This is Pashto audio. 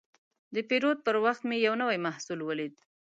د پیرود پر وخت مې یو نوی محصول ولید.